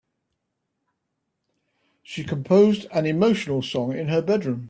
She composed an emotional song in her bedroom.